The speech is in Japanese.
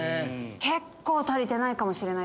結構足りてないかもしれない。